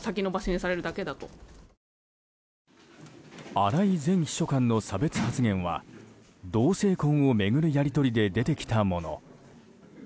荒井前秘書官の差別発言は同性婚を巡るやり取りで出てきたもの。